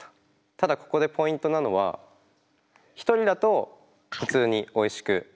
ただここでポイントなのは１人だと普通においしく食べられる。